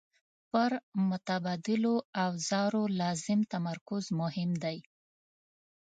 پر متبادلو اوزارو لازم تمرکز مهم دی.